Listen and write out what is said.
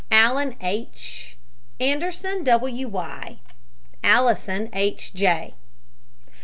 ALLEN, H. ANDERSON, W. Y. ALLISON, H. J.